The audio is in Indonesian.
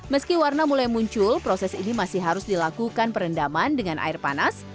meski warna mulai muncul proses ini masih harus dilakukan perendaman dengan air panas